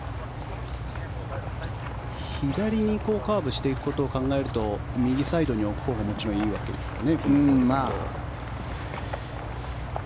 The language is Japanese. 左にカーブしていくことを考えると右サイドに置くほうがもちろんいいわけですかね。